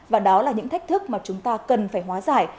và đó là những thách thức mà chúng ta cần phải hóa giải